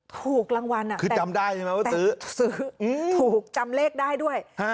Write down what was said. ถูกรางวัลคือจำได้ใช่ไหมว่าซื้อซื้อถูกจำเลขได้ด้วย